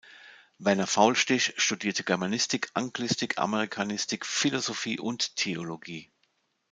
Werner Faulstich studierte Germanistik, Anglistik, Amerikanistik, Philosophie und Theologie.